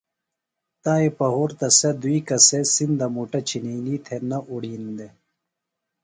تائی پہُرتہ سے دُئی کسے سِندہ مُٹہ چِھئینی تھےۡ نہ اُڑِین دےۡ۔